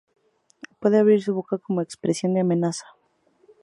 Puede abrir su boca como expresión de amenaza.